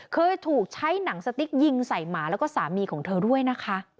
เคยถูกใช้หนังสติ๊กยิงใส่หมาแล้วก็สามีของเธอด้วยนะคะ